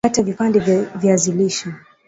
kata vipande vya viazi lishe